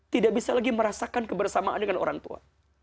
tidak bisa lagi merasakan kebersamaan dengan orang tua